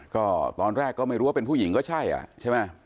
ก็ตอนแรกก็ไม่รู้ว่าเป็นผู้หญิงก็ใช่อ่ะใช่ไหม